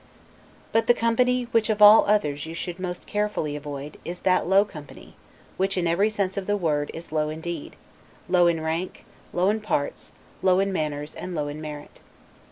But the company, which of all others you should most carefully avoid, is that low company, which, in every sense of the word, is low indeed; low in rank, low in parts, low in manners, and low in merit.